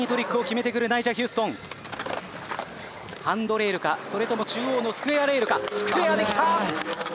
ハンドレールかそれとも中央のスクエアレールかスクエアできた！